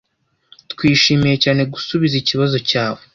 Twishimiye cyane gusubiza ikibazo cyawe